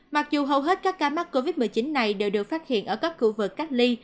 mặc dù hầu hết các ca mắc covid một mươi chín này đều được phát hiện ở các khu vực cách ly